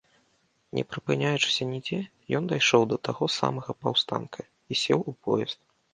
Не прыпыняючыся нідзе, ён дайшоў да таго самага паўстанка і сеў у поезд.